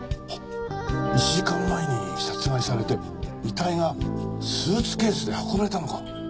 あっ１時間前に殺害されて遺体がスーツケースで運ばれたのか。